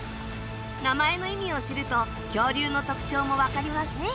名前の意味を知ると恐竜の特徴もわかりますね。